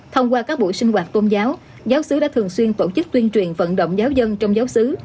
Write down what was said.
thông qua các buổi sinh hoạt tôn giáo giáo sứ đã thường xuyên tổ chức tuyên truyền vận động giáo dân trong giáo sứ